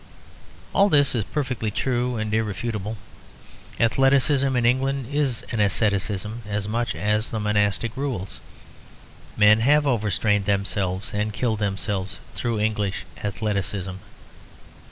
All this is perfectly true and irrefutable. Athleticism in England is an asceticism, as much as the monastic rules. Men have overstrained themselves and killed themselves through English athleticism.